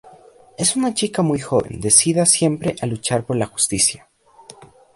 Es una chica muy joven decida siempre a luchar por la justicia.